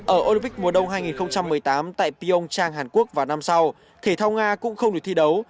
ở olympic mùa đông hai nghìn một mươi tám tại pyeong trang hàn quốc vào năm sau thể thao nga cũng không được thi đấu